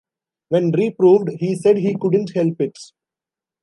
When reproved, he said he couldn't help it.